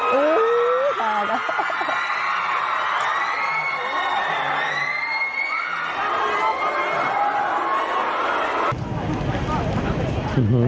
กรี๊ดกับเม็ด